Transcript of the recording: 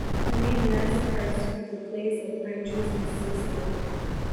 The name is Nez Perce for "the place of pine trees and sestle".